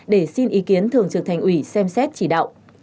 để xin ý kiến thường trực thành ủy xem xét chỉ đạo